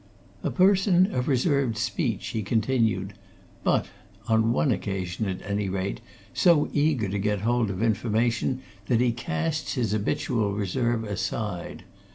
"A person of reserved speech!" he continued. "But on one occasion, at any rate, so eager to get hold of information, that he casts his habitual reserve aside.